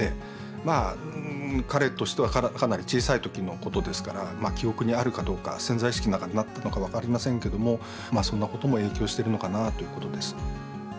まあ彼としてはかなり小さい時のことですからまあ記憶にあるかどうか潜在意識の中にあったのか分かりませんけどもそんなことも影響してるのかなということです。